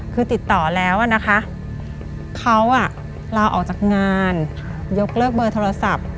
คือติดต่อแล้วนะคะเขาลาออกจากงานยกเลิกเบอร์โทรศัพท์